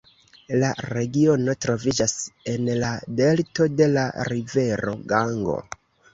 La regiono troviĝas en la delto de la rivero Gango.